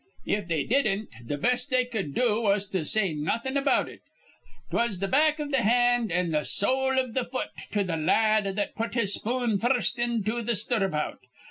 If they didn't, th' best they cud do was to say nawthin' about it. 'Twas th' back iv th' hand an' th' sowl iv th' fut to th' la ad that put his spoon first into th' stirabout.